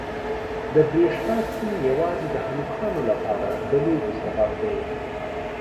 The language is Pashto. د برېښنا ستنې یوازې د هلکانو لپاره د لوبو سبب دي.